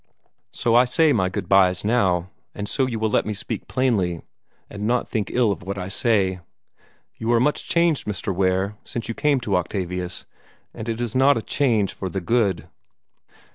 So I say my good byes now, and so you will let me speak plainly, and not think ill of what I say. You are much changed, Mr. Ware, since you came to Octavius, and it is not a change for the good."